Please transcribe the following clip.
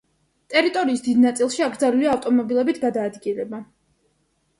ტერიტორიის დიდ ნაწილში აკრძალულია ავტომობილებით გადაადგილება.